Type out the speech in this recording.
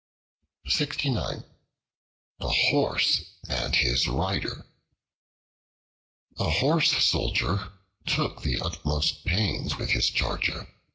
The Horse and His Rider A HORSE SOLDIER took the utmost pains with his charger.